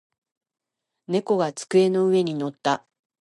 猫が机の上に乗った。